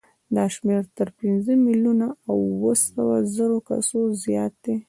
دا شمېر تر پنځه میلیونه او اوه سوه زرو کسو زیات دی.